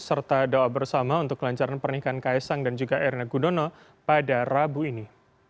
serta doa bersama untuk kelancaran pernikahan kaisang dan juga erna gudono pada rabu ini